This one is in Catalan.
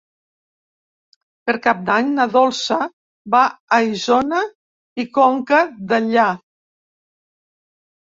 Per Cap d'Any na Dolça va a Isona i Conca Dellà.